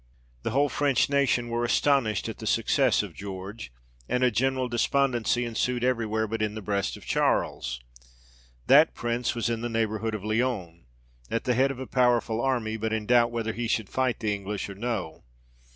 The whole French nation were astonished at the success of George, and a general despondency ensued every where, but in the breast of Charles. That Prince was in the neighbourhood of Lyons, at the head of a powerful army, but in doubt whether he should fight the English or no.